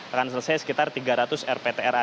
akan selesai sekitar tiga ratus rptra